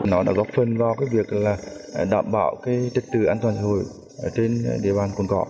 nó đã góp phần vào việc đảm bảo trật tự an toàn xã hội trên địa bàn cồn cỏ